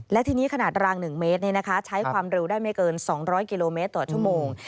และทีนี้ขนาดราง๑เมตรใช้ความเร็วได้ไม่เกิน๒๐๐กิโลเมตรต่อชั่วโมง